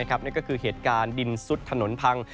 คือเหตุการณ์ดินซุดถนนพัง